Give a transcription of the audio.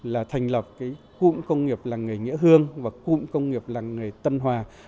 là thành lập cái cụm công nghiệp làng nghề nghĩa hương và cụm công nghiệp làng nghề tân hòa